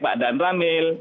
pak dan ramil